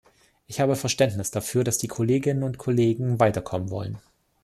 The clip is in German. Ich habe Verständnis dafür, dass die Kolleginnen und Kollegen weiterkommen wollen.